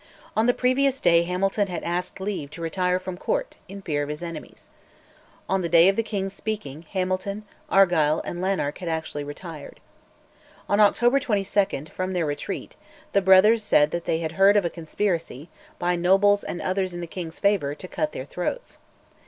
On the previous day Hamilton had asked leave to retire from Court, in fear of his enemies. On the day of the king's speaking, Hamilton, Argyll, and Lanark had actually retired. On October 22, from their retreat, the brothers said that they had heard of a conspiracy, by nobles and others in the king's favour, to cut their throats.